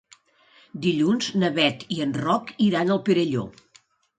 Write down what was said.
Dilluns na Bet i en Roc iran al Perelló.